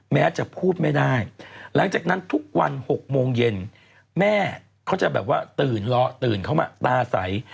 แม้จะพูดไม่ได้หลังจากนั้นทุกวัน๖โมงเย็นแม่เขาจะแบบว่าตื่นล้อตื่นเข้ามาตาใส